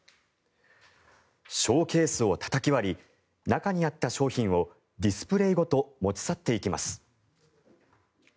ショーケースをたたき割り中にあった商品をディスプレーごと持ち去っていきます。